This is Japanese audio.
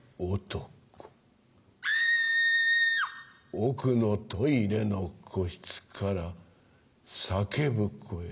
・奥のトイレの個室から叫ぶ声。